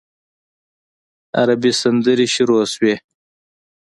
عربي سندرې شروع شوې.